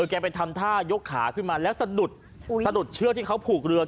แกไปทำท่ายกขาขึ้นมาแล้วสะดุดเชือกที่เขาผูกเรือ